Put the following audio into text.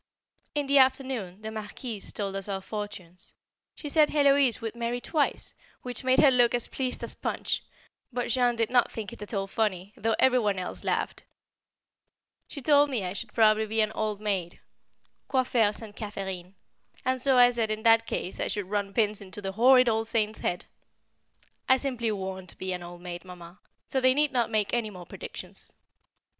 In the afternoon the Marquise told us our fortunes; she said Héloise would marry twice, which made her look as pleased as Punch, but Jean did not think it at all funny, though every one else laughed She told me I should probably be an old maid ("Coiffer St. Catherine"), and so I said in that case I should run pins into the horrid old saint's head: I simply won't be an old maid, Mamma, so they need not make any more predictions.